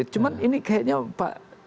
cuman ini kayaknya pak